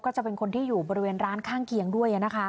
ก็จะเป็นคนที่อยู่บริเวณร้านข้างเคียงด้วย